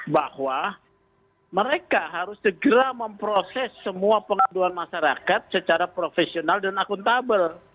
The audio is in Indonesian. bahwa mereka harus segera memproses semua pengaduan masyarakat secara profesional dan akuntabel